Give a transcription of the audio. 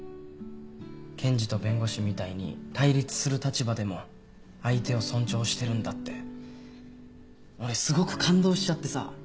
検事と弁護士みたいに対立する立場でも相手を尊重してるんだって俺すごく感動しちゃってさ。